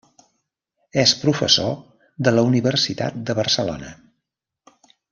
És professor de la Universitat de Barcelona.